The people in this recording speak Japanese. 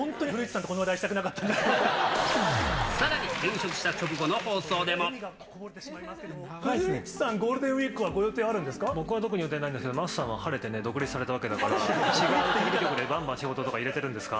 本当に古市さんとこの話題しさらに転職した直後の放送で古市さん、ゴールデンウィー僕は特に予定ないんですけど、桝さんは晴れて独立されたわけだから、違うテレビ局で、ばんばん仕事とか入れてるんですか？